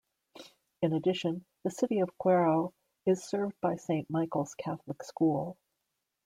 In addition, the City of Cuero is served by Saint Michael's Catholic School.